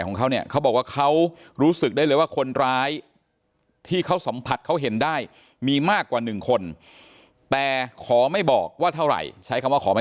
ขอไม่บอกว่าเท่าไหร่ใช้คำว่าขอไม่บอกนะฮะ